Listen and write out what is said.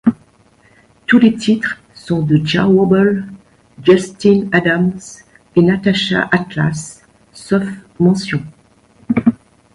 Tous les titres sont de Jah Wobble, Justin Adams et Natacha Atlas, sauf mentions.